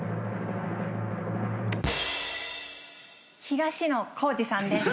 東野幸治さんです。